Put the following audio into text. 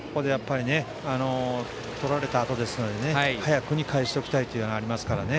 取られたあとですので早くに返しておきたいというのはありますからね。